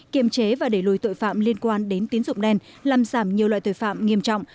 kiềm chế và đẩy lùi tội phạm liên quan đến tín dụng đen làm giảm nhiều loại tội phạm nghiêm trọng